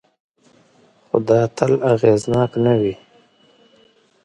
خو دا تل اغېزناک نه وي.